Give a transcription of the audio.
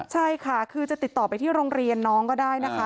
ใช่ค่ะคือจะติดต่อไปที่โรงเรียนน้องก็ได้นะคะ